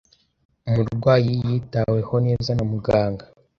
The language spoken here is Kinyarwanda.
Umurwayi yitaweho neza na muganga.